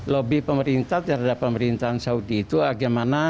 lobby pemerintah terhadap pemerintahan saudi itu bagaimana